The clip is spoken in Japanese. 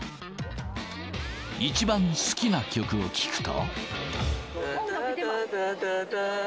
一番好きな曲を聞くと。